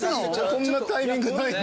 こんなタイミングない。